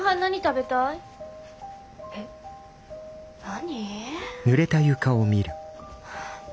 えっ何？